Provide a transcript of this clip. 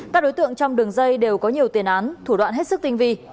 các đối tượng trong đường dây đều có nhiều tiền án thủ đoạn hết sức tinh vi